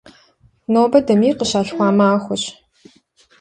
Нобэ Дамир къыщалъхуа махуэщ.